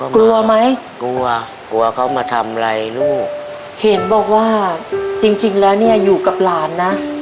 กลัวไหมกลัวกลัวเขามาทำอะไรลูกเห็นบอกว่าจริงจริงแล้วเนี่ยอยู่กับหลานนะ